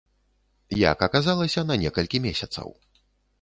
Як аказалася, на некалькі месяцаў.